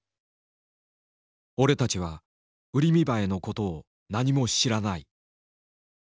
「俺たちはウリミバエのことを何も知らない。